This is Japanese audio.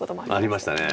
ありました。